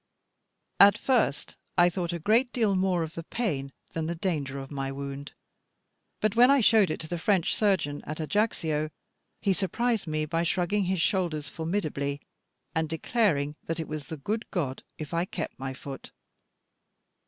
At first I thought a great deal more of the pain than the danger of my wound; but when I showed it to the French surgeon at Ajaccio, he surprised me by shrugging his shoulders formidably, and declaring that it was the good God if I kept my foot.